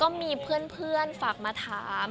ก็มีเพื่อนฝากมาถาม